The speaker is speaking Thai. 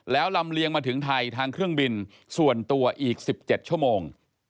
แล้วลำเลียงมาถึงไทยทางเครื่องบินส่วนตัวอีก๑๗ชั่วโมง